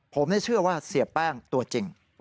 ผมเชื่อว่าเสียแป้งตัวจริง